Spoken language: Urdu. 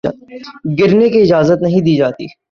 گرنے کی اجازت نہیں دی جاتی ہے